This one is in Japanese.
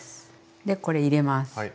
でこれ入れます。